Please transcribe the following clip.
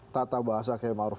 tata bahasa kayak ma'ruf